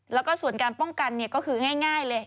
แล้วก็ส่วนการป้องกันก็คือง่ายเลย